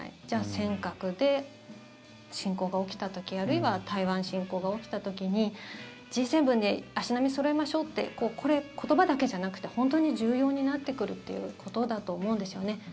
じゃあ、尖閣で侵攻が起きた時あるいは、台湾侵攻が起きた時にＧ７に足並みそろえましょうってこれ、言葉だけじゃなくて本当に重要になってくることだと思うんですよね。